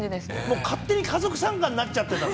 もう勝手に家族参加になっちゃってたんだ？